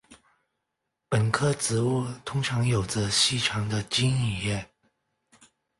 本科植物通常有着细长的茎与叶。